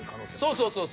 そうそうそう。